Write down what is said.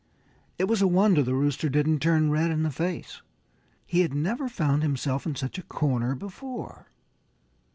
It was a wonder the Rooster didn't turn red in the face. He had never found himself in such a corner before.